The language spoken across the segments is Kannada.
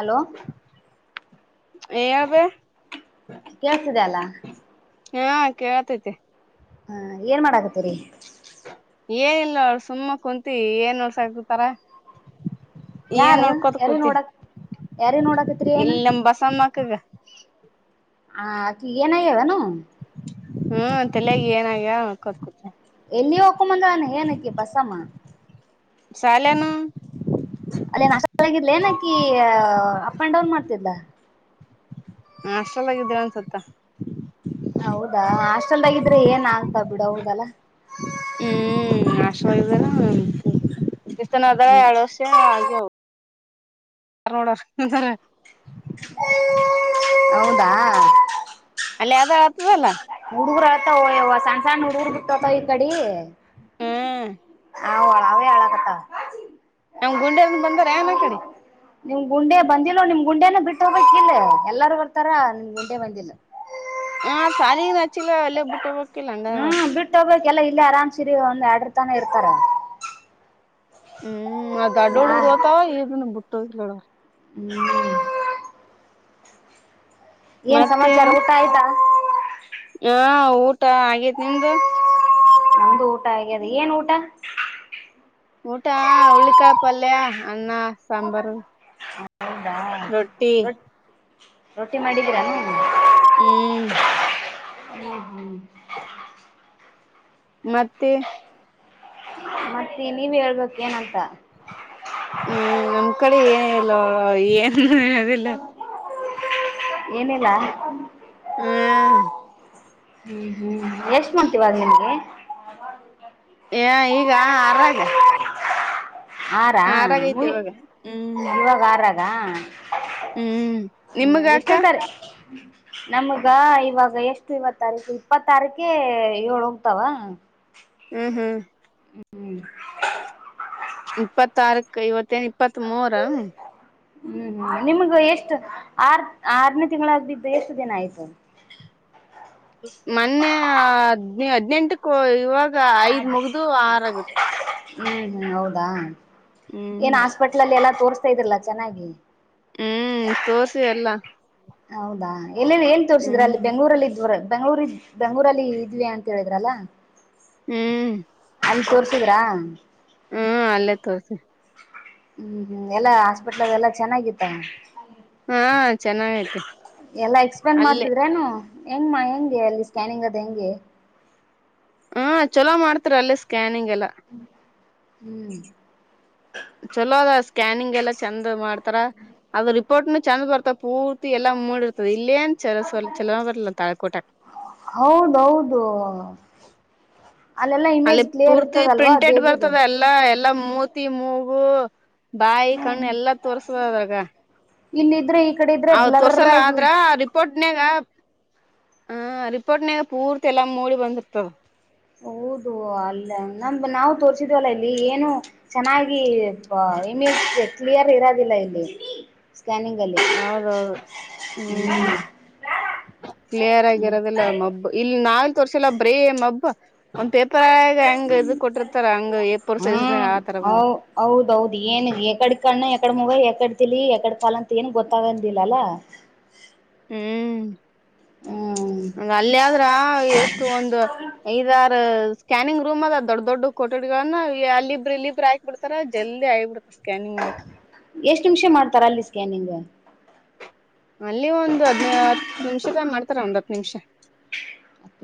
ಹಲೋ ಹೇಳ್ಬೇ ಕೇಳ್ಸಿದೆ ಅಲ್ಲಾ ಹಾ ಕೇೇಳತೈತೆ ಹಾ ಏನ್ ಮಾಡಕತ್ತರಿ ಏನಿಲ್ಲ ನೋಡ್ ಸುಮ್ಮ ಕುಂತಿವಿ ಏನ್ ನೋಡ್ಸಕ್ತಾರ [inaudible] ಯಾರ ಯಾರ ಕೂತಿ ನೋಡಕ್ ಯಾರ ನೋಡಕತ್ರಿ ಏನ್ ಇಲ್ಲಿ ನಮ್ ಬಸಮ್ಮಕ್ಕಗ ಹ ಅಕಿಗ್ ಏನ್ ಆಗ್ಯಾದೆನಾ ಹ್ಮ್ ತಲೆಗ ಏನಾಗ್ಯ ಕೊತ್ಕತ ಎಲ್ಲಿ ಹೋಕ ಬಂದಾನ ಏನಕ್ಕೆಬಸ್ಸಮ್ಮ ಶಾಲೆನ ಅಲ್ಲೇನ್ ಹಾಸ್ಟೆಲ್ ಆಗಿದ್ಲೆನಕಿ ಅಪ್ ಅಂಡ್ ಡೌನ್ ಮಾಡ್ತಿದ್ಲಾ ಹ ಹಾಸ್ಟೆಲ್ ಆಗಿದ್ಲು ಅನ್ಸುತ್ತಾ ಹೌದಾ ಹಾಸ್ಟೆಲ್ದಾಗಿದ್ರೆ ಏನ್ ಆಗ್ತಾ ಬಿಡ ಹೌದಲ್ಲಾ ಹ್ಮ್ ಹಾಸ್ಟೆಲ್ ಒಳಗ್ ಇದ್ಲಾನ ಇಷ್ಟ್ ದಿನ ಇದ್ದಾಳ ಎರಡು ವರ್ಷ ಆಗಿ ನೋಡ [unintelligible] ಹೌದಾ ಅಲ್ಲಿ ಯದಾಳತದೆ ಅಲ್ಲ ಹುಡುಗರು ಅಳ್ತಾವ ಸಣ್ಣ ಸಣ್ಣ ಹುಡುಗುರು ಬಿಟ್ಟತೋವ್ ಈ ಕಡೆ ಹ್ಮ್ ಅವ್ ಅಳವೆ ಅಳಕಾತ್ತವ ನಮ್ ಗುಂಡೆನ್ನ ಬಂದಾರೆನ್ ಆ ಕಡೆ ನಿಮ್ ಗುಂಡೆ ಬಂದಿಿಲ್ಲೋ ನಿಮ್ ಗುಂಡೇನ ಬಿಟ್ಟ ಹೋಗ್ಬೇಕ್ ಇಲ್ ಎಲ್ಲಾರೂ ಬರ್ತಾರ ನಿಮ್ ಗುಂಡೆ ಬಂದಿಲ್ಲ ಹ ಶಾಲಿ ನಚ್ಚಿಲ್ಲ ಅಲ್ಲೇ ಬಿಟ್ಟ ಹೋಗಬೇಕು ಹ್ಮ್ ಬಿಟ್ಟು ಹೋಗ್ಬೇಕಲ್ಲ ಇಲ್ಲೇ ಆರಾಮ್ ಸೀರಿ ಒಂದ್ ಎರಡ್ರ ತಾನ ಇರ್ತಾರೆ ಹ್ಮ್ ಅ ದೊಡ್ಡ ಹಾ ಹುಡ್ಗ್ರುಹೊತಾವ ಇ ಬಿಟ್ಟು ಇಡ ಹ್ಮ್ ಏನ್ ಮತ್ತೆವ ಸಮಾಚಾರ ಊಟ ಆಯ್ತಾ ಹಾ ಊಟ ಆಗೇತಿ ನಿಮ್ದು ನಮ್ದು ಊಟ ಆಗ್ಯದೆ ಏನ್ ಊಟ ಊಟ ಹುಳ್ಳಿಕಾಳ್ ಪಲ್ಯ ಅನ್ನ ಸಾಂಬಾರು ಹೌದಾ ರೊಟ್ಟಿ ರೊಟ್ಟಿ ಮಾಡಿದೀರ ಹ್ಮ್ ಹ್ಮ ಹ್ಮ್ ಮತ್ತೆ ಮತ್ತೆ ನೀವ್ ಹೇಳ್ಬೇಕು ಏನಂತ. ಹ್ಮ್ ನಮ್ ಕಡೆ ಏನಿಲ್ವಾ ಏನ್ ಹೇಳೋದು ಇಲ್ಲ. ಏನಿಲ್ಲ. ಹ್ಮ್ ಹ್ಮ್ ಹ್ಮ್ ಎಷ್ಟು ಮಂತ್ ಇವಾಗನಿಮ್ಗೆ. [unintelligible] ಏ ಈಗ ಆರಾಗ. ಆರಾ ಆರಾಗ ಐತಿ ಇವಾಗ ಹ್ಮ್ ಇವಾಗ ಆರ. ಹ್ಮ್ ಹೌದ ನಿಮಗ ಅಕ್ಕ ಎಷ್ಟನೇ ತಾರೀಕು. ನಮಗ ಇವಾಗ ಎಷ್ಟು ಇವತ್ ತಾರೀಕು ಇಪ್ಪತ್ ತಾರೀಕ ಏಳು ಹೋಗ್ತಾವ. ಹ್ಮ್ ಹ್ಮ್ [inaudible] ಇಪ್ಪತ್ತಾರಕ್ ಇವತ್ತೇನ್ ಇಪ್ಪತ್ತ್ ಮೂರ. ಹ್ಮ್ ಹ್ಮ್ ನಿಮ್ಗ ಎಷ್ಟು ಆರ್ ಆರನೇ ತಿಂಗಳಾಗ ಎಷ್ಟು ದಿನ ಆಯ್ತು ಮೊನ್ನೆ ಹದಿನೆಂಟು ಇವಾಗ ಐದ್. ಮುಗ್ದು ಆರ್ ಆಗ್ಬಿಡ್ತು ಹ್ಮ್ ಹ್ಮ್ ಹೌದಾ ಏನ. ಹ್ಮ್ ಹಾಸ್ಪಿಟಲ್ ಅ ಎಲ್ಲ ತೋರಿಸ್ತ ಇದಿರಾಲ್ಲ ಚೆನ್ನಾಗಿ. ಹ್ಮ್ ತೋರ್ಸಿವಿ ಎಲ್ಲ. ಹೌದಾ ಎಲ್ಲೆ ಏನ್ ತೋರ್ರಿಸಿದ್ರ ಹ್ಮ್ ಅಲ್ಲಿ ಬೆಂಗಳೂರಲ್ಲಿ ಇದ್ರ ಬೆಂಗಳೂರು. ಬೆಂಗಳುರಲ್ಲಿ ಇದ್ವಿ ಅಂತ ಹೇಳಿದ್ರಲ್ಲಾ. ಹ್ಮ್ ಅಲ್ಲಿ ತೋರ್ಸಿದ್ರಾ. ಹ್ಮ್ ಅಲ್ಲೇ ತೋರ್ಸಿ. ಹ್ಮ್ ಹ್ಮ್ ಎಲ್ಲಾ ಹಾಸ್ಪಿಟ್ಲ್ದ ಎಲ್ಲಾ ಚೆನ್ನಾಗಿತ್ತ. ಹಾ ಚೆನ್ನಾಗೈತಿ ಎಲ್ಲಾ ಎಕ್ಸ್ಪ್ಲೇನ್ ಅಲ್ಲೇ ಮಾಡ್ತಿದ್ರೇನು. ಹೆಂಗಮ್ಮ ಹೆಗೆ ಅಲ್ಲಿ ಸ್ಕ್ಯಾನಿಂಗ್ ಅದು ಹೆಂಗೆ. ಹ್ಮ ಚೊಲೋ ಮಾಡ್ತಾರ ಅಲ್ಲೇ ಸ್ಕ್ಯಾನಿಂಗ್ ಎಲ್ಲ. ಹ್ಮ್ ಚಲೋ ಅದ ಸ್ಕ್ಯಾನಿಂಗ್ ಎಲ್ಲ ಚಂದ ಮಾಡ್ತಾರ ಅದು ರಿಪೋರ್ಟ್ನು ಚಂದ ಬರ್ತ ಪೂರ್ತಿ. ಎಲ್ಲ ಮೂಡಿ ಇರ್ತದೆ ಇಲ್ಲೇಏನ್ ಚಲೋ ಚಲೋ ಬರಲ್ಲ ತಾಳ್ಕೋಟಗ. ಹೌದೌದು. ಅಲ್ಲೆಲ್ಲಾ ಇಮೇಜ್ ಕ್ಲಿಯರ್ ಇರ್ತದಲ್ವಾ ಬೇಬಿದು. ಎಲ್ಲ ಎಲ್ಲಾ ಮೂತಿ ಮೂಗು ಬಾಯಿ ಕಣ್ಣು ಎಲ್ಲಾ ತೋರ್ರಿತದ್ದೇ ಅದ್ರಾಗ. ಇಲ್ಲಿದ್ರೆ. ಅವ್ ತೋರ್ಸಲ್ಲ ಆದ್ರ. ರಿಪೋರ್ಟ್ನ್ಯಾಗ ಹ ರಿಪೋರ್ಟ್ನ್ಯಾಗ ಪೂರ್ತಿ ಎಲ್ಲ ಮೂಡಿ ಬಂದಿರ್ತದ. ಹೌದು ಅಲ್ಲ ನಮ ನಾವು ತೋರ್ರಿಸಿದವಲ್ಲ ಇಲ್ಲಿ ಏನು. ಚೆನ್ನಾಗಿ ಇಮೇಜ್ ಕ್ಲಿಯರ್ ಇರೋದಿಲ್ಲ ಇಲ್ಲಿ. ಸ್ಕ್ಯಾನಿಂಗ್ ಅಲ್ಲಿ ಹೌದೌದು ಹ್ಮ್ ಕ್ಲಿಯರ್ ಆಗಿರೋದಿಲ್ಲ ಮಬ್ಬ ಇಲ್ಲಿ ನಾವೇ ತೋರಿಸಿಲ್ಲ ಬ್ರೆ ಮಬ್ಬು. ಒಂದ್ ಪೇಪರ್ ಆಗ ಹಂಗ್ ಇದ ಕೊಟ್ಟಿರ್ತಾರ ಹಂಗ ಏಪರ್ ಸೈಜ್ನ ಹ್ಮ್ ಆತರ ಹೌ ಬಂದಿ. ಹೌದೌದು ಏನ್ ಎಕಡ್ ಕಣ್ಣ ಎಕಡ್ ಮುಗ ಎಕಡ್ ತಾಲಿ ಎಕಡ್ ಕಾಲ ಅಂತ ಏನ್ ಗೊತ್ತಾಗಂದಿಲ್ಲಲ್ಲಾ. ಹು ಹ್ಮ್ ಅಲ್ಲಿ ಆದ್ರ ಎಷ್ಟು ಒಂದು ಐದಾರು ಸ್ಕ್ಯಾನಿಂಗ ರೂಮ್ ಅದಾವ ದೊಡ್ದ್ ದೊಡ್ಡವ ಕೊಠಡಿಗಳನ್ನ ಅಲ್ಲಿಬ್ರು ಇಲ್ಲಿಬ್ರು ಹಾಕ್ಬ ಬಿಡ್ತಾರಾ ಜಲ್ದಿ ಆಗಿ ಬಿಡ್ತ. ಸ್ಕ್ಯಾನಿಂಗ್ ಮಾಡಾಕ. ಎಷ್ಟು ನಿಮಿಷ ಮಾಡ್ತಾರಾ ಅಲ್ಲಿ ಸ್ಕ್ಯಾನಿಂಗ್. ಅಲ್ಲಿ ಒಂದ ಹದ್ನ ಹತ್ತು ನಿಮಿಷದಾಗ ಮಾಡ್ತಾರ ಒಂದ ಹತ್ತು ನಿಮಿಷ.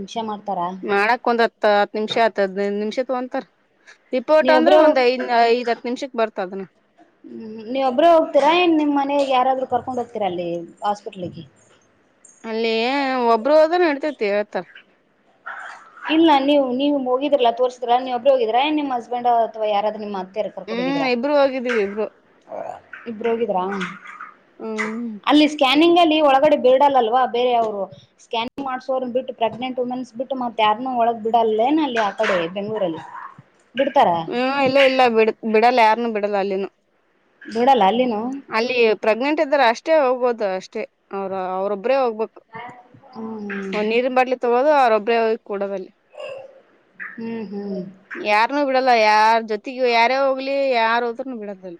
ನಿಮಿಷ ಮಾಡ್ತಾರಾ ಮಾಡಾಕ ಒಂದ ಹತ್ತ ಹತ್ತು ನಿಮಿಷ ಹದನೈದ ನಿಮಿಷ ತೊಂತಾರ. ರಿಪೋರ್ಟ್ ಅಂದ್ರ ನೀವೊಬ್ರು ಒಂದ ಐದ ಐದ ಹತ್ತು ನಿಮಿಷಕ್ ಬರ್ತದನ. ಹು ನೀವುಒಬ್ಬರೆ ಹೋಗ್ತೀರಾ ಏನು ನಿಮ್ಮಮನೆಲ್ಲಿ ಯಾರಾದರೂ ಕರ್ಕೊಂಡು ಹೋಗ್ತೀರಾ ಅಲ್ಲಿ ಹಾಸ್ಪಿಟ್ಲಿಗೆ. ಅಲ್ಲಿ ಒಬ್ರ ಹೋದರ ನಡಿತೇತಿ ಹೇಳ್ತಾರ. ಇಲ್ಲಾ ನೀವು ನೀವು ಹೋಗಿದ್ರಲ್ಲ ತೋರ್ದ್ರಲ್ಲ ನೀವಬ್ಬರು ಹೋಗಿದ್ರ ಏ ನಿಮ್ಮ ಹಸ್ಬೆಂಡ್ ಅಥವಾ ಯಾರಾದ್ರೂ ನಿಮ್ಮ ಅತ್ತೆಯರ. ಹ್ಮ್ ಕರ್ಕೊಂಡಹೋಗಿದ್ರಾ ಇಬ್ರು ಹೋಗಿದೀವಿ ಇಬ್ರು ಇಬ್ಬರು ಹೋಗಿದ್ರಾ. ಅ ಅಲ್ಲಿ ಸ್ಕ್ಯಾನಿಂಗ್ ಅಲ್ಲಿ ಒಳಗಡೆ ಬಿಡಲ್ಲಲ್ವಾ ಬೇರೆ ಅವ್ರು ಸ್ಕಾನಿಂಗ್ ಮಾಡಸೋರನ್ನ ಬಿಟ್ಟು ಪ್ರೆಗ್ನೆಂಟ್ ವುಮೆನ್ಸ್. ಬಿಟ್ಟ ಮತ್ತ ಯಾರನು ಒಳಗ ಬಿಡಲ್ಲೇನ ಅಲ್ಲಿ ಆ ಕಡೆ ಬೆಂಗ್ಳೂರಲ್ಲಿ ಬಿಡ್ತಾರ. ಹು ಇಲ್ಲಾ ಇಲ್ಲಾ ಬಿಡ ಬಿಡಲ್ಲ ಯಾರನು ಬಿಡಲ್ಲಾ ಅಲ್ಲಿನು. ಬಿಡಲ್ಲಾ ಅಲ್ಲಿನು. ಅಲ್ಲಿ ಪ್ರೆಗ್ನೆಂಟ್ ಇದ್ದರ ಅಷ್ಟೇ ಹೋಗ್ಬಹದು ಅಷ್ಟೇ ಅವ್ರ ಅವ್ರೊಬ್ಬರೇ ಹೋಗ್ಬೇಕು. ಹ್ಮ್ ಒಂದ ನೀರಿನ ಬಾಟ್ಲಿ ತಗೋದು ಅವರೊಬ್ಬರೆ ಹೋಗಿ ಕೂಡದಲ್ಲಿ. ಹು ಹು ಯಾರನು ಬಿಡಲ್ಲ ಯಾರ ಜೊತೆಗು ಯಾರೇ ಹೋಗ್ಲಿ ಯಾರ ಹೋದ್ರನು ಬಿಡದಿಲ್ಲ.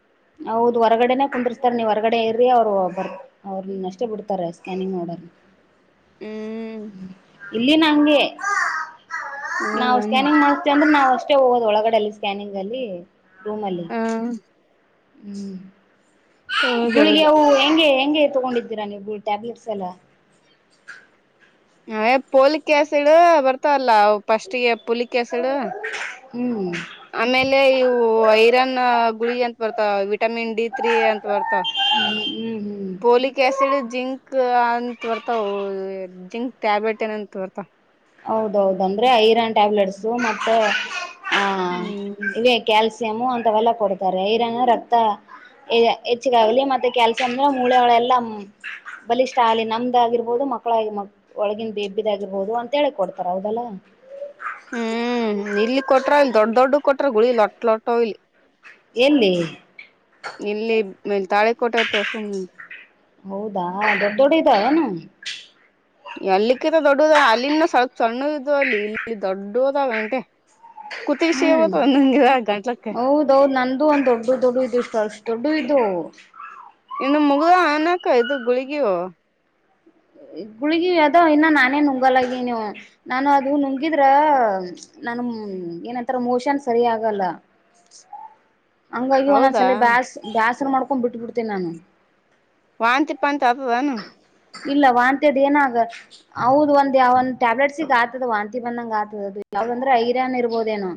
ಹೌದು ಹೊರಗಡೆನೇ ಕುದರ್ಸ್ತಾರ ನೀವ ಹೊರಗಡೆ ಇರ್ರಿ ಅವ್ರು ಬರ. ಅವರು ನಷ್ಟ ಬಿಡ್ತಾರೆ ಸ್ಕ್ಯಾನಿಂಗ್ ಮಾಡೋರ್ನ. ಹ್ಮ್ ಇಲ್ಲಿನ ಹಂಗೆ. ಹೌದ ನಾವು ಸ್ಕ್ಯಾನಿಂಗ್ ಮಾಡವಿ ಅಂದ್ರೆ ನಾವು ಅಷ್ಟೇ ಹೋಗೋದು ಒಳಗಡೆಲ್ಲಿ ಸ್ಕ್ಯಾನಿಂಗ್ ಅಲ್ಲಿ ರೂಮಲ್ಲಿ. ಹಾ ಹು ಗುಳಿಗೆ ಹೌದೌದು ಅವು ಹೆಂಗೆ ಹೆಂಗೆ ತಗೊಂಡಿದ್ದೀರಾ ನೀವು ಟ್ಯಾಬ್ಲೆಟ್ಸ್ ಎಲ್ಲಾ. ಅಯ್ ಪೋಲಿಕ ಆಸಿಡ್ ಬರ್ತಾವಲ್ಲ ಅವ ಫಸ್ಟ್ಗೆ ಪುಲಿಕ ಆಸಿಡ್. ಹು ಆಮೇಲೆ ಇವು ಐರನ್ ಗುಳಿ ಅಂತ ಬರ್ತಾವ ವಿಟ್. ವಿಟಮಿನ್ ಡಿ ತ್ರೀ ಅಂತ ಬರ್ತವ ಹ್ಮ್ ಹ್ಮ್ ಹ್ಮ್ ಪೋಲಿಕ್ ಆಸಿಡ್ ಜಿಂಕ್ ಆ. ಬರ್ತಾವು ಜಿಂಕ್ ಟ್ಯಾಬ್ಲೆಟ್ ಏನಂತ ಬರ್ತಾವ. ಹೌದ ದೌದ ಅಂದ್ರೆ ಐರನ್ ಟ್ಯಾಬ್ಲೆಟ್ಸ ಮತ್ತೆ ಆ ಹ್ಮ್ ಇವೆ ಕ್ಯಾಲ್ಸ. ಸಿಮು ಅಂತವೆಲ್ಲಾ ಕೊಡ್ತಾರೆ ಐರನ್ನು ರಕ್ತ ಹೆಚ್ಚಗಾಗ್ಲಿ ಮತ್ತೆ ಕ್ಯಾಲ್ಸಿಯಂ ಅಂದ್ರೆ ಮೂಳೆಗಳೆಲ್ಲಾ. ಬಲಿಷ್ಠ ಆಗಲಿ ನಮ್ದಾಗಿರ್ಬಹದು ಮಕ್ಕಳಾಗಿ ಒಳಗಿನ ಬೇಬಿದ್ಗಿರ್ಬೋದು ಅ. ತ ಹೇಳಿ ಕೊಡ್ತಾರ ಹೌದೆಲ್ಲಾ. ಹು ಇಲ್ಲಿ ಕೊಟ್ರ ಇಲ್ಲಿ ದೊಡ್ಡ ದೊಡ್ಡ ಕೊಟ್ರ ಗುಳಿ ಲೊಟ್ ಲೊಟ್ಟ ಇಲ್ಲಿ. ಎಲ್ಲಿ ಇಲ್ಲಿ ಮೇ ತಾಳೆ ಕೋಟೆ ತೊರ್ಸ್ಕೊಂಡು ಬಂದೆನ. ಹೌದಾ ದೊಡ್ಡ್ ದೊಡ್ಡ ಇದಾವೇನು. ಎಲ್ಲಿಕ್ಕಿನ ದೊಡ್ಡದ ಅಲ್ಲಿನು ಸ್ವಲ್ಪ ಸಣ್ಣ ಇದು ಅಲ್ಲಿ ಇಲ್ಲಿ ದೊಡ್ಡವದಾವ ಎಂಟೆ. ಕತಿಗಿ ಸಿಗತಾವ ನಂಗಿದ ಗಂಟ್ಲಕ್ಕ. ತೊ ನಂದು ಒಂದು ದೊಡ್ಡವು ದೊಡ್ಡವು ಇದು ಇಷ್ಟು ಅಷ್ಟ ದೊಡ್ಡವು ಇದ್ದುವವು. ಇನ್ನು ಮುಗದಾವೆನಕ್ಕ ಇದು ಗುಳುಗಿವು. ಗುಳಗಿ ಅದೋ ಇನ್ನ ನಾನೇ ನುಂಗಲ್ಲ [unintelligible] ನಾನು ಅದು ನುಂಗಿದ್ರ ನಾನು [unintelligible] ಏನಂತಾರ ಮೋಷನ್ ಸರಿ ಆಗಲ್ಲ. ಹಂಗಾಗಿ ಹೌದಾ ಒಂದೊಂದ್ಸಲ ಬ್ಯಸ್ ಬ್ಯಾಸರು ಮಾಡ್ಕೊಂಡ್ ಬಿಟ್ಟ ಬಿಡ್ತೇನ ನಾನು. ವಾಂತಿ ಪಾಂತಿ ಆತದೇನು. ಇಲ್ಲ ವಾಂತಿ ಅದ್ ಏನು ಆಗಲ್ ಹೌದು ಒಂದ್ ಯಾವನ್ ಟ್ಯಾಬ್ಲೆಟ್ಸಗ್ ಆತದ ವಾಂತಿ ಬಂದಂಗೆ ಆಗ್ತದ ಅದು ಯಾವ್ದದಂದ್ರೆ ಐರಾನ್ ಇರ್ಬೋದೇನೋ.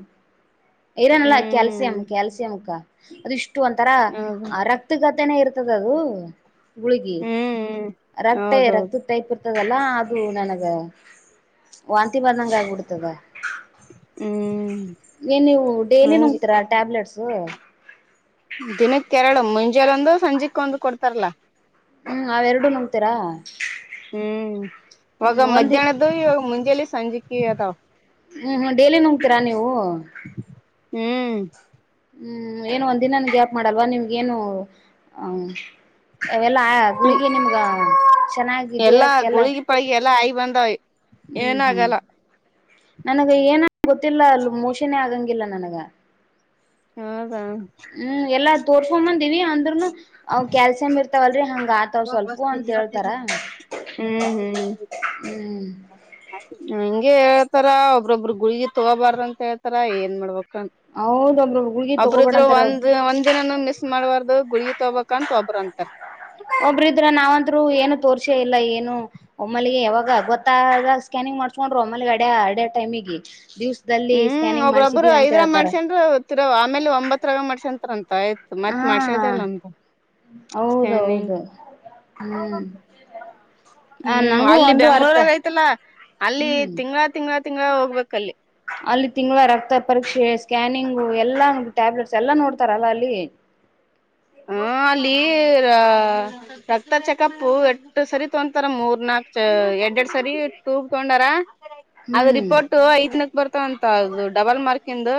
ಐರನ್ ಅಲ್ಲ ಹ್ಮ್ ಕ್ಯಾಲ್ಸಿಯಂ ಕ್ಯಾಲ್ಸಿಯಂಕ್ಕ ಅದು ಇಷ್ಟು ಒಂತರ ಹೌದು ರ್ - [unintelligible] ಜೊತೇನೆ ಇರ್ತದ ಅದು ಗುಳ್ಗಿ ಹ್ಮ್ ರಕ್ತ [unintelligible] ಹೌದೌದು ರಕ್ತದ್ [unintelligible] ಇತದಲ್ಲ ಅದು ನನಗ ವಾಂತಿ ಬಂದಂಗ ಆಗಿಬಡ್ತದ. ಹ್ಮ್ ನೀನ್ ನೀವು ಡೈಲಿ ಹಂಗ ನೋಂಗತೀರಾ ಟ್ಯಾಬ್ಲೆಟ್ಸ್. ದಿನಕ್ಕೆ ಎರಡು ಮುಂಜಾನ ಒಂದು ಸಂಜೆಕ್ಕ ಒಂದ ಕೊಡ್ತಾರಲ್ಲಾ. ಹ್ಮ್ ಅವ ಎರಡು ನುಂಗ್ತೀರಾ. ಹ್ಮ್ ಹ್ಮ್ [unintelligible] ಒಂದಿ ಮಧ್ಯಾಹ್ನದ ಇವಾಗ [unintelligible] ಸಂಜೆಕ್ಕಿ ಅದಾವ. ಹ್ಮ್ ಹ್ಮ್ ಡೇಲಿ ನುಂಗ್ತೀರಾ ನೀವು. ಹ್ಮ್ ಹ್ಮ್ ಏನು ಒಂದಿನನೂ ಗ್ಯಾಪ್ ಮಾಡಲ್ವಾ ನಿಮ್ಗ ಏನು ಹ ಅವೆಲ್ಲಾ ಗುಳ್ಗಿ ನಿಮ್ಗ ಚೆನ್ನಾಗ್ ಎಲ್ಲಾ ಗುಳಗಿ ಪಳಿಗೆ ಎಲ್ಲಾ ಐ ಬಂದವೆ. ಹ್ಮ್ ಹ್ಮ್ ನನಗ ಏನ [unintelligible] ಗೊತ್ತಿಲ್ಲ ಅಲ್ಲಿ ಮೋಷನೆೇ ಆಗಂಗಿಲ್ಲ ನನಗ. ಹೌದಾ ಹ್ಮ್ ಎಲ್ಲಾ ತೋರ್ಕೊಂಡ್ ಬಂದಿವಿ ಆದ್ರೂನು ಅವ್ ಕ್ಯಾಲ್ಸಿಯಂ ಇರ್ತಾವಲ್ರರಿ ಹಂಗ ಆತವ ಸ್ವಲ್ಪ ಅಂತ ಹೇಳ್ತಾರ. ಹ್ಮ್ ಹ್ಮ್ ಹ್ಮ್ ಹಂಗೆ ಹೇಳ್ತಾರ ಒಬ್ರೊಬ್ಬ್ರ ಗುಳಗಿ ತಗೋಬಾರ ಅಂತ ಹೇಳ್ತಾರ ಏನ್ ಮಾಡ್ಬೇಕ್ ಹೌದ ಒಬ್ರೊಬ್ರು ಗುಳ್ಗಿ ತಗೋಬೇಡ [unintelligible] ಅಂತಾರ ಅವ್ರು ಒಂದ್ ಒಂದಿನ ನು ಮಾಡಬಾರ್ದು ಗುಳ್ಗಿ ತಗೊಬೇಕು ಅಂತ ಒಬ್ರ ಅಂತರ್ ಒಬ್ರ ಇದ್ರ ನಾವಂದ್ರು ಏನು ತೋರ್ಸೆ ಇಲ್ಲ ಏನು ಒಮ್ಮಾಲಿಗೆ ಯಾವಾಗ ಗೊತ್ತಾದಾಗ ಸ್ಕ್ಯಾನಿಂಗ್ ಮಾಡ್ಸ್ಕೊಂಡ್ರು ಒಮ್ಮಾಲಿಗೆ ಅಡ ಅರಡೊ ಟೈಮಿಗೆ ದಿವ್ಸ ಲ್ಲಿ ಹ್ಮ್ ಸ್ಕ್ಯಾನಿಂಗ್ ಒಬ್ರೊಬ್ರು ಮಾಡ್ಸಿದಿವಿ ಅಂತ ಐದರ ಹೇಳ್ತಾರ. [unintelligible] ಆಮೇಲೆ ಒಂಬತ್ರಾಗ ಮಾಡ್ಸಂತಾರ ಅಂತ [unintelligible] ಮತ್ ಹಾ ಮಾಡ್ಸಡ್ದಲ್ಲ ಅಂತ್ ಹೌದೌದು ಹ್ಮ್. ಆ ಹ್ಮ್ ನನಗೂ ಅಲ್ಲಿ ಒಂದು ಅರ್ಥ ಬೆಂಗ್ಳೂರಲ್ಲಿ ಐ್ತಲ್ಲ ಅಲ್ಲಿ ಹ್ಮ್ ತಿಂಗಳ ತಿಂಗಳ ತಿಂಗಳ ಹೋಗ್ಬೇಕಲ್ಲಿ. ಅಲ್ಲಿ ತಿಂಗಳ ರಕ್ತ ಪರೀಕ್ಷೆ ಸ್ಕ್ಯಾನಿಂಗು ಎಲ್ಲಾ ಟ್ಯಾಬ್ಲೆಟ್ಸ್ ಎಲ್ಲಾ ನೋಡ್ತಾರಲ್ಲ ಅಲ್ಲಿ. ಹು ಅಲ್ಲಿ [unintelligible] ರಕ್ತ ಚೆಕಪ್ ಎಟ್ಟ ಸರಿ [unintelligible] ಮೂರ್ ನಾಕ್ ಎರಡ್ ಎರಡ್ ಸರಿ ಟೂಗ್ ತಗೊಂಡಾರ. ಅದ ಹ್ಮ್ ರಿಪೋರ್ಟ್ ಐದ್ ದಿನಕ್ ಬರ್ತಾವಂತ ಅದು ಡಬಲ್ ಮಾರ್ಕ ಇಂದು.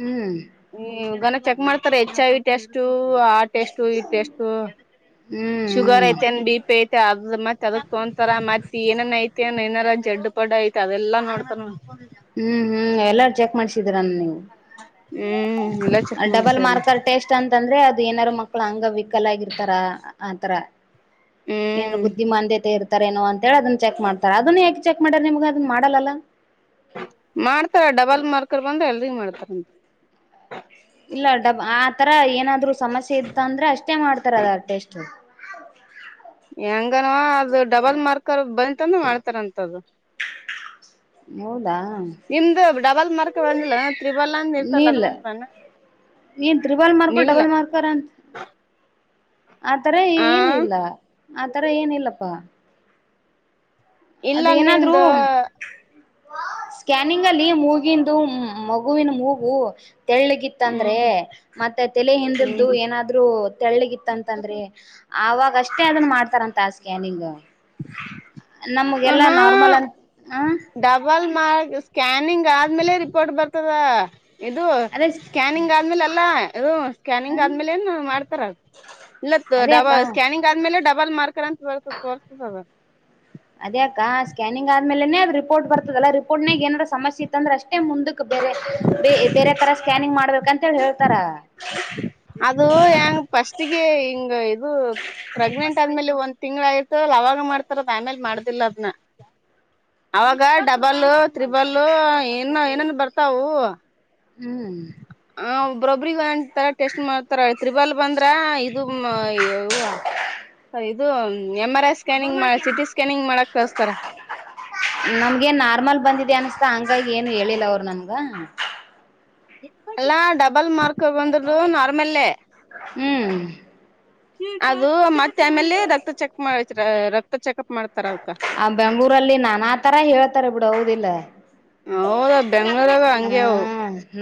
ಹ್ಮ್ ಹ್ಮ್ [unintelligible] ಚೆಕ್ ಮಾಡ್ತಾರೆ H I V test [unintelligible] test ಇ ಟೆಸ್ಟು ಹ್ಮ್ ಶುಗರ್ ಐತೆನ್ ಬಿ ಪಿ ಐತೆ ಅದ್ರ [unintelligible] ತೊಂತರ ಮತ್ ಏನನ್ ಐತೆ ಏನಾರ ಜಡ್ಡು ಪಡ್ ಐತೆ ಅದೆಲ್ಲಾ ನೋಡ್ತಾರ. ಹ್ಮ್ ಹ್ಮ್ ಎಲ್ಲಾ ಚೆಕ್ ಮಾಡ್ಸಿದೀರ ನೀವು. ಹ್ಮ ಅ ಡಬಲ್ ಮಾರ್ಕರ್ ಟೆಸ್ಟ್ ಅಂತಂದ್ರೆ ಅದು ಏನಾರು ಮಕ್ಳ ಅಂಗವಿಕಲ ಆಗಿರ್ತಾರ ಆತರ. ಏನ ಹ್ಮ್ ಬುದ್ಧಿಮಾಂದ್ಯತೆ [unintelligible] ತರೇನೋ ಅಂತ ಹೇಳಿ ಅದನ್ನ ಚೆಕ್ ಮಾಡತಾರ ಅದನ್ನ ಯಾಕೆ ಚೆಕ್ ಮಾಡಿದ ನಿಮ್ಗೆ ಅದನ್ನ ಮಾಡಲ್ಲಲ. ಮಾಡ್ತಾ ಡಬಲ್ ಮಾರ್ಕರ್ ಬಂದ್ರ ಎಲ್ರಿಗ ಮಾಡ್ತಾರ. ಇಲ್ಲ ಡಬ್ ಆ ತರ ಏನಾದ್ರು ಸಮಸ್ಯೆ ಇತ್ತ ಅಂದ್ರ ಅಷ್ಟೇ ಮಾಡ್ತಾರ ಅದ ಟೆಸ್ಟ್. ಹೆಂಗನ ಅದು ಡಬಲ್ ಮಾರ್ಕರ್ ಬಂತಂದ ಮಾಡ್ತಾರಂತದ. [inaudible] ಹೌದಾ. ಇಂದ ಡಬಲ್ ಮಾರ್ಕ್ ಬಂದಿಲ್ಲ ತ್ರಿಬಲ್ ಅಂದ ಇರ್ತಲ್ಲ ಅದ ಇಲ್ಲ ಬಂತನ. ಏನ್ ತ್ರಿಬಲ್ ಮಾರ್ಕ ಡಬಲ್ ಮಾರ್ಕರ್ ಅಂತ ಆತರ ಆ ಏನ ಇಲ್ಲ ಆತರ ಏನಿಲ್ಲಪ್ಪಾ. ಅದ ಇಲ್ಲ ಏನಾದ್ರು ನಿಂದ ಸ್ಕ್ಯಾನಿಂಗ್ ಅಲ್ಲಿ ಮೂಗಿಂದು ಮಗುವಿನ ಮೂಗು ತೆಳ್ಳಗಿತ್ತ ತ್ತಂದ್ರೆ ಹ್ಮ್ ಮತ್ತೆ ತಲೆ ಹಿಂದಿಲ್ದು ಹ್ಮ್ ಏನಾದ್ರೂ ತೆಳ್ಳಿಗಿತ್ತಂತಂದ್ರೆ ಅವಾಗ ಅಷ್ಟೇ ಅದನ ಮಾಡ್ತಾರಂತ ಆ ಸ್ಕ್ಯಾನಿಂಗ್. ನಮ್ಗೆಲ್ಲಾ ಆಹಾ ನಾರ್ಮಲ್ ಅ ಡಬಲ್ ಮಾರ್ ಸ್ಕ್ಯಾನಿಂಗ್ ಆದ್ಮೇಲೆ ರಿಪೋರ್ಟ್ ಬರ್ತದ. ಇದು ಅದೇ ಸ್ಕ್ಯಾನಿಂಗ ಹ ಆದ್ಮೇಲೆ ಎಲ್ಲಾ ಇದು ಸ್ಕ್ಯಾನಿಂಗ್ ಆದ್ಮೇಲೆ ಏನ ಮಾಡ್ತಾರ. ಇಲ್ಲತ ಅದೇ ಅಕ್ಕ ಡಬಲ್ ಸ್ಕ್ಯಾನಿಂಗ್ ಆದ್ಮೇಲೆ ಡಬಲ್ ಮಾರ್ಕರ್ ಅಂತ ಬರ್ತ ತೊರ್ಸತದ. ಅದ ಅಕ ಸ್ಕ್ಯಾನಿಂಗ್ ಆದ್ಮೇಲೇನೇ ಅದ ರಿಪೋರ್ಟ್ ಬರ್ತದಲ್ಲ ರಿಪೋರ್ಟ್ನಾಗ ಏನಾರ್ ಸಮಸ್ಯೆ ಇತ್ತ ಅಂದ್ರ ಅಷ್ಟೇ ಮುಂದಕ್ ಬೇರೆ ಬೇರೆ ತರ ಸ್ಕ್ಯಾನಿಂಗ್ ಮಾಡ್ಬೇಕಂತೇಳಿ ಹೇಳ್ತಾರ. ಅದು ಹೆಂಗ ಫಸ್ಟ್ಗೆ ಹಿಂಗ ಇದು ಪ್ರೆಗ್ನೆಂಟ್ ಆದ್ಮೇಲೆ ಒಂದ ತಿಂಗಳ ಆಯ್ತ ಅವಾಗ ಮಾಡ್ತಾರದ ಆಮೇಲೆ ಮಾಡುದಿಲ್ಲ ಅದನ. ಅವಾಗ ಡಬಲ್ಲ ತ್ರಿಬಲ್ಲ ಇನ್ನ ಏನನ ಬರ್ತವು. ಹ್ಮ. ಹ ಒಬ್ರೊಬ್ರಗ ಒ ತರ ಟೆಸ್ಟ್ ಮಾಡ್ತಾರ ತ್ರಿಬಲ್ ಬಂದ್ರ ಇದು ಯ ವಾ ಇದು ಎಂ ಆರ್ ಐ ಸ್ಕ್ಯಾನಿಂಗ್ ಮಾ ಸಿಟಿ ಸ್ಕ್ಯಾನಿಂಗ್ ಮಾಡಕ್ ಕಳಸ್ತಾರ [unintelligible] ನಮ್ಗೇನ ನಾರ್ಮಲ್ ಬಂದಿದೆ ಅನ್ಸ್ತಾ ಹಂಗಾಗಿ ಏನು ಹೇಳಿಲ್ಲ ಅವ್ರು ನಮ್ಗ ಅಲ್ಲಾ ಡಬಲ್ ಮಾರ್ಕ್ ಬಂದರು ನಾರ್ಮಲ್ಲೇ ಹ್ಮ. ಅದು ಮತ್ತ ಆಮೇಲೆ ರಕ್ತ ಚೆಕ್ಪ್ ಮಾಡ ರಕ್ತ ಚೆಕಪ್ ಮಾಡ್ತಾರ ಅವ್ಕ ಆ ಬೆಂಗ್ಳೂರಲ್ಲಿ ನಾನಾ ತರ ಹೇಳ್ತಾರೆ ಬಿಡು ಹೌದಿಲ್ಲ. ಹೌದ ಬೆಂಗ್ಳೂರಾಗ ಹ ಹಂಗೆ ಅವ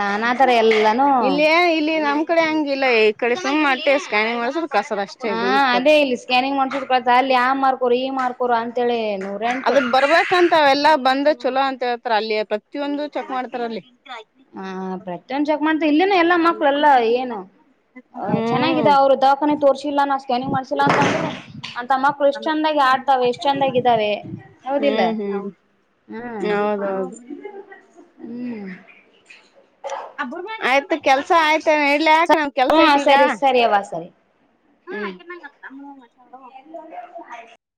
ನಾನಾ ತರ ಎಲ್ಲಾನು ಇಲ್ಲೇ ಇಲ್ಲಿ ನಮ ಈ ಕಡೆ ಹಂಗಿಲ್ಲ ಈ ಕಡೆ ಸುಮ್ ಅಟ್ಟೆ ಸ್ಕಾನಿಂಗ ಮಾಡಸ್ರ ಕಸರ್ ಅಷ್ಟೇ ಗೂಳಿ ಕೊಟ್ಟ ಸ್ಕ್ಯಾನಿಂಗ ಮಾಡ್ಸಿದ ಕಳತ ಅಲ್ಲಿ ಆ ಮಾರ್ಕೊರ ಈ ಮಾರ್ಕೊರ ಅಂತೇಳ ನು ಅದ ಬರ್ಬೇಕಂತ ಅವೆಲ್ಲಾ ಬಂದ ಚಲೋ ಅಂತ ಹೇಳ್ತಾರ ಅಲ್ಲಿ ಪ್ರತಿಯೊಂದು ಚೆಕ್ ಮಾಡ್ತಾರ ಅಲ್ಲಿ ಹ ಪ್ರತಿಯೊಂದ ಚೆಕ್ ಮಾಡ್ತ ಇಲ್ಲಿನ ಎಲ್ಲಾ ಹ್ಮ್ ಮಕ್ಳೆಲ್ಲಾ ಏನು. ಅ ಚೆನ್ನಾಗಿದ ಅವ್ರ ದವಾಖಾನೆ ತೋರ್ಸಿಲ್ಲ ನಾ ಸ್ಕ್ಯಾನಿಂಗ್ ಮಾಡ್ಸಿಲ್ಲ ಅಂತಂದ ಅಂತ ಮಕ್ಳು ಎಷ್ಟ ಚಂದಾಗಿ ಆ ತಾವ ಎಷ್ಟ ಚಂದಾಗಿದ್ದಾವೆ ಹೌದಿಲ್ಲ. ಹೌದೌದ. ಹ್ಮ ಆಯ್ತ ಕೆಲ್ಸ ಆಯ್ತ ಇಡ್ಲ ಕ್ ನನ ಕೆಲ್ಸ ಹಾ ಐತಿ ಈಗ. ಸರಿ ಸರಿ ಅವ್ವ ಸರಿ [unintelligible] [inaudible]